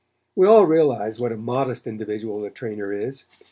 We all realize what a modest individual the trainer is.